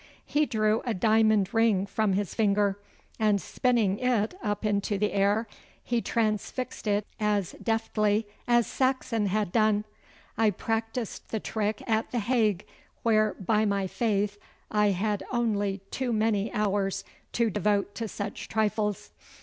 He drew a diamond ring from his finger, and spinning it up into the air, he transfixed it as deftly as Saxon had done. 'I practised the trick at The Hague, where, by my faith, I had only too many hours to devote to such trifles.